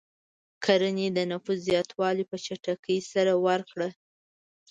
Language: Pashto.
کرنې د نفوس زیاتوالی په چټکۍ سره ورکړ.